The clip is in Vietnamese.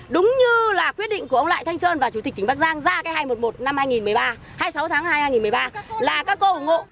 đúng như là quyết định của ông lại thanh sơn và chủ tịch tỉnh bắc giang ra cái hai trăm một mươi một năm hai nghìn một mươi ba hai mươi sáu tháng hai hai nghìn một mươi ba là các cô ủng hộ